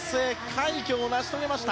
快挙を成し遂げました。